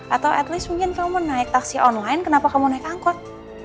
atau at least mungkin kamu naik taksi online kenapa kamu naik angkot